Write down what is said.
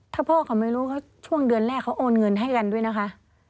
ถ้าพ่อเขาไม่รู้เขาช่วงเดือนแรกเขาโอนเงินให้กันด้วยนะคะ